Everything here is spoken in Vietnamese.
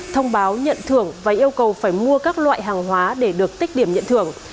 thông báo nhận thưởng và yêu cầu phải mua các loại hàng hóa để được tích điểm nhận thưởng